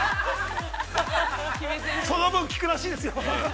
◆その分効くらしいですよ。